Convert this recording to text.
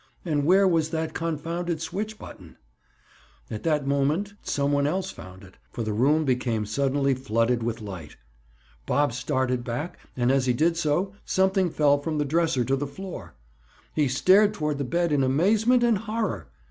And where was that confounded switch button? At that moment some one else found it, for the room became suddenly flooded with light. Bob started back, and as he did so, something fell from the dresser to the floor. He stared toward the bed in amazement and horror.